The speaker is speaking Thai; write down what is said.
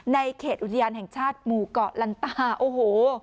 เขตอุทยานแห่งชาติหมู่เกาะลันตาโอ้โห